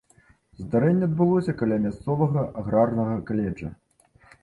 Здарэнне адбылося каля мясцовага аграрнага каледжа.